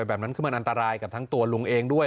แบบนั้นคือมันอันตรายกับทั้งตัวลุงเองด้วย